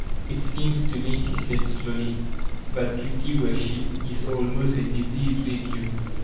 "It seems to me, he said slowly, "that beauty worshq> is almost a disease with you.